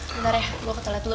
bentar ya gue ke telet dulu